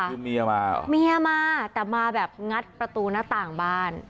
คือเมียมาเหรอเมียมาแต่มาแบบงัดประตูหน้าต่างบ้าน